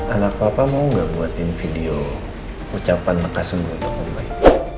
anak papa mau gak buatin video ucapan mekasung untuk om baik